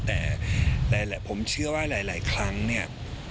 แต่ผมเชื่อว่าหลายครั้งเนี่ย